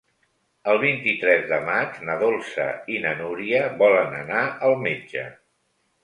El vint-i-tres de maig na Dolça i na Núria volen anar al metge.